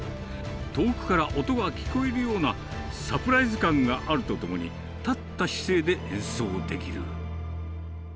遠くから音が聞こえるようなサプライズ感があるとともに、立った姿勢で演奏できる。